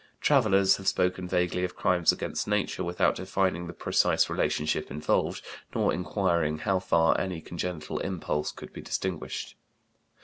Travellers have spoken vaguely of crimes against nature without defining the precise relationship involved nor inquiring how far any congenital impulse could be distinguished.